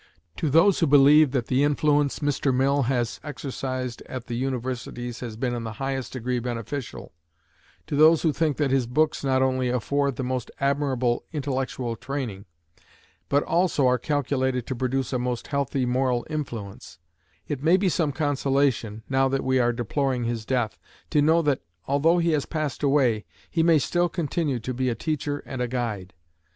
To those who believe that the influence Mr. Mill has exercised at the universities has been in the highest degree beneficial, to those who think that his books not only afford the most admirable intellectual training, but also are calculated to produce a most healthy moral influence, it may be some consolation, now that we are deploring his death, to know, that, although he has passed away, he may still continue to be a teacher and a guide.